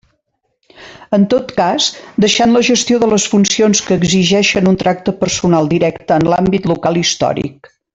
En tot cas, deixant la gestió de les funcions que exigeixen un tracte personal directe en l'àmbit local històric.